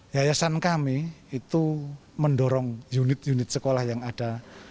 yayasan kami itu mendorong unit unit sekolah yang ada